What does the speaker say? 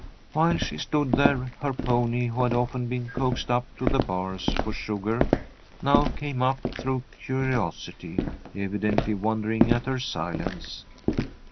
While she stood there, her pony, who had often been coaxed up to the bars for sugar, now came up through curiosity, evidently wondering at her silence.